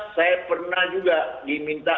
saya pernah juga diminta